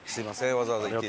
わざわざ行って。